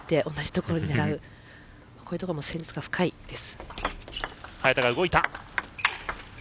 こういうところも戦術が深いです。